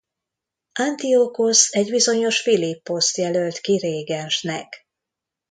Antiokhosz egy bizonyos Philipposzt jelölt ki régensnek.